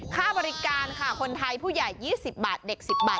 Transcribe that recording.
ค่าบริการค่ะคนไทยผู้ใหญ่๒๐บาทเด็ก๑๐บาท